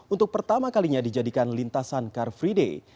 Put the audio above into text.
untuk pertama kalinya dijadikan lintasan car free day